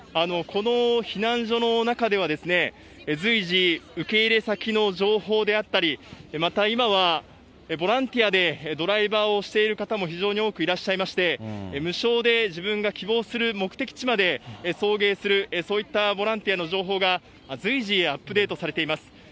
この避難所の中では、随時、受け入れ先の情報であったり、また今は、ボランティアでドライバーをしている方も非常に多くいらっしゃいまして、無償で自分が希望する目的地まで送迎する、そういったボランティアの情報が随時アップデートされています。